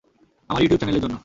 আমার ইউটিউব চ্যানেলের জন্য।